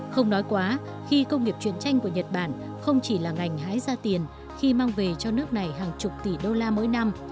không nói quá khi công nghiệp truyền tranh của nhật bản không chỉ là ngành hái ra tiền khi mang về cho nước này hàng chục tỷ đô la mỗi năm